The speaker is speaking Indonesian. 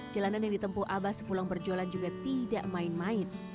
jalanan yang ditempuh abah sepulang berjualan juga tidak main main